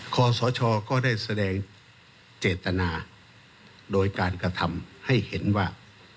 ขอสชก็ได้แสดงเจตนาโดยการกระทำให้เห็นว่า